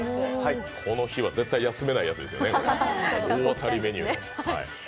この日は絶対休めないやつですよね、大当たりメニューです。